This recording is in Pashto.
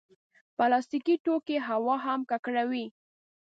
پلاستيکي توکي هوا هم ککړوي.